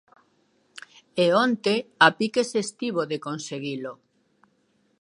E onte a piques estivo de conseguilo.